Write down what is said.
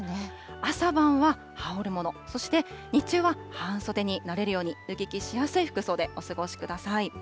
朝晩は羽織るもの、そして日中は半袖になれるように、脱ぎ着しやすい服装でお過ごしください。